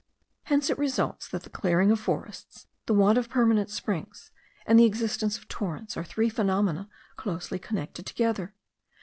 Hence it results, that the clearing of forests, the want of permanent springs, and the existence of torrents, are three phenomena closely connected together.